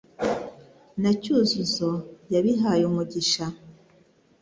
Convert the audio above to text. na Cyuzuzo yabihaye umugisha